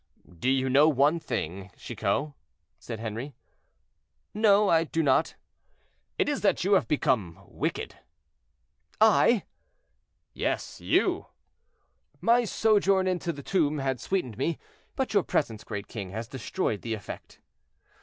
"Do you know one thing, Chicot?" said Henri. "No, I do not." "It is that you have become wicked." "I?" "Yes, you." "My sojourn in the tomb had sweetened me, but your presence, great king, has destroyed the effect."